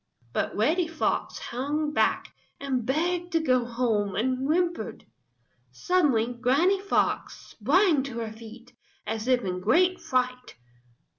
But Reddy Fox hung back and begged to go home and whimpered. Suddenly Granny Fox sprang to her feet, as if in great fright.